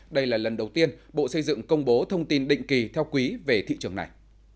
đây là lần đầu tiên bộ xây dựng công bố thông tin định kỳ theo quý về thị trường này